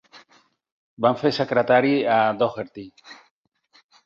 Van fer secretari a Doherty.